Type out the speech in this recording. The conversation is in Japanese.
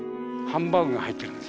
ハンバーグ入ってるの？